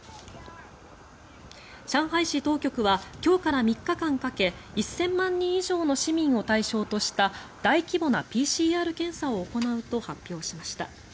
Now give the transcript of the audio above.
上海市当局は今日から３日間かけ１０００万人以上の市民を対象とした大規模なＰＣＲ検査を行うと発表しました。